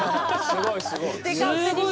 すごいすごい。